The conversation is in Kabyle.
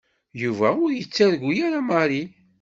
Yuba ur yettargu ara Mary.